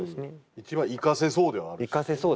一番生かせそうではあるしね。